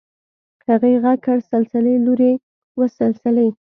هغې غږ کړ سلسلې لورې وه سلسلې.